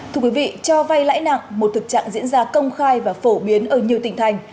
thưa quý vị cho vay lãi nặng một thực trạng diễn ra công khai và phổ biến ở nhiều tỉnh thành